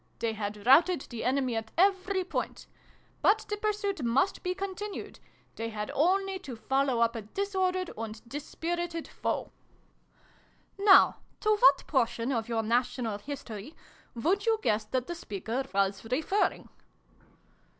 They had routed the enemy at every point. But the pursuit must be continued. They had only to follow up a disordered and dispirited foe. ''" Now to what portion of your national history would you guess that the speaker was referring